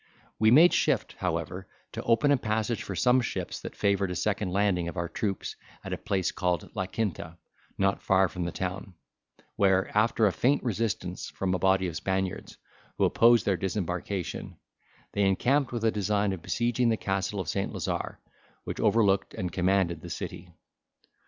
We made shift, however, to open a passage for some ships, that favoured a second landing of our troops at a place called La Quinta, not far from the town, where, after a faint resistance from a body of Spaniards, who opposed their disembarkation, they encamped with a design of besieging the castle of St. Lazar, which overlooked and commanded the city.